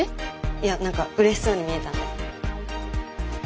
いや何かうれしそうに見えたんで。